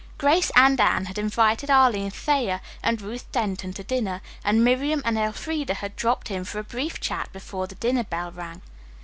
Grace and Anne had invited Arline Thayer and Ruth Denton to dinner, and Miriam and Elfreda had dropped in for a brief chat before the dinner bell rang.